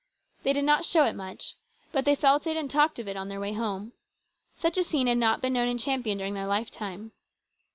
They did not show it much, but they felt it and talked of it on their way home. Such a scene had not been known in Champion during their lifetime.